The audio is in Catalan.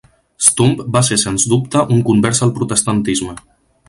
Stumpp va ser sens dubte un convers al protestantisme.